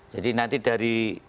jadi nanti dari